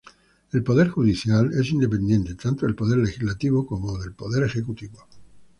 El poder judicial es independiente tanto del poder legislativo como del poder ejecutivo.